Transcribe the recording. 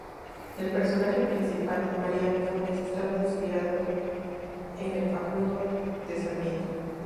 El personaje principal, Mariano Funes, estaba inspirado en el "Facundo" de Sarmiento.